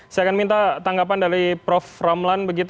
saya akan minta tangkapan dari prof fromlan